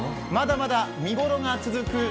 まだまだ見頃が続く